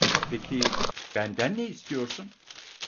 Peki benden ne istiyorsun?